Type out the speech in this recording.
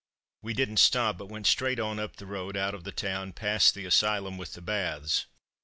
We didn't stop, but went straight on up the road, out of the town, past the Asylum with the baths.